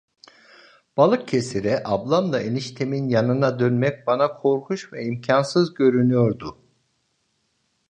Balıkesir’e, ablamla eniştemin yanına dönmek bana korkunç ve imkânsız görünüyordu…